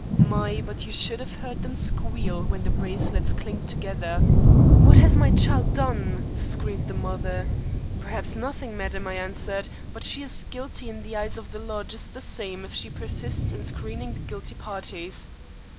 My, but you should have heard them squeal when the bracelets clinked together. 'What has my child done?' screamed the mother. 'Perhaps nothing, madam,' I answered; 'but she is guilty in the eyes of the law just the same if she persists in screening the guilty parties.'